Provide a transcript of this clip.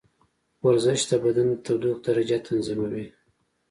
ورزش د بدن د تودوخې درجه تنظیموي.